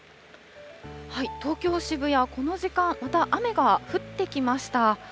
東京・渋谷、この時間、また雨が降ってきました。